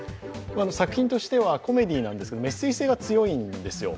作品としてはコメディーなんですがメッセージ性が強いんですよ。